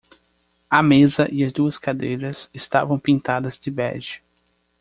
A mesa e as duas cadeiras estavam pintadas de bege.